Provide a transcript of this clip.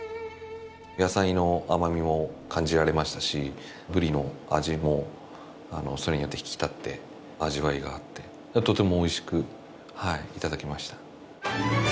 野菜の甘みも感じられましたしブリの味もそれによって引き立って味わいがあってとてもおいしく頂きました。